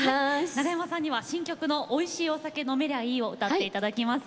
長山さんには新曲の「美味しいお酒飲めりゃいい」を歌って頂きます。